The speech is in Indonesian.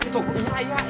turun gue bilang